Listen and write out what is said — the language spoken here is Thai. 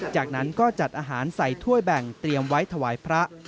จากนั้นก็จัดอาหารใส่ถ้วยแบ่งเตรียมไว้ถวายพระ